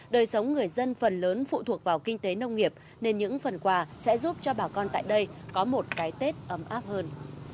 đời sống người dân phần lớn phụ thuộc vào kinh tế nông nghiệp nên những phần quà sẽ giúp cho bà con tại đây có một cái tết ấm áp hơn